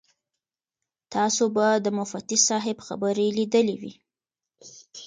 تاسو به د مفتي صاحب خبرې لیدلې وي.